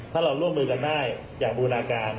ถ้าเราร่วมมือกันได้อย่างบูรณาการ